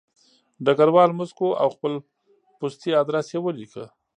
ډګروال موسک و او خپل پستي ادرس یې ولیکه